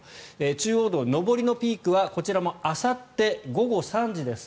中央道上りのピークはこちらもあさって午後３時です。